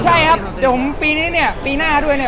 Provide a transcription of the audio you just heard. ใช่ครับเดี๋ยวผมปีนี้เนี่ยปีหน้าด้วยเนี่ย